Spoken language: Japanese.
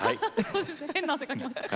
変な汗かきましたね。